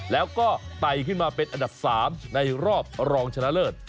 แล้วก็ไตขึ้นมาเป็นอันดับ๓ในรอบรองชนะเลิศ